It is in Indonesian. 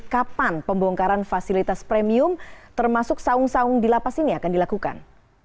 kapan pembongkaran fasilitas premium termasuk saung saung di lapas ini akan dilakukan